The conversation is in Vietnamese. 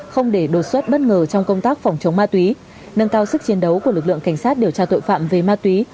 không để đột xuất bất ngờ trong công tác phòng chống ma túy nâng cao sức chiến đấu của lực lượng cảnh sát điều tra tội phạm về ma túy